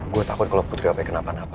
gue takut kalo putri sampai kenapa napa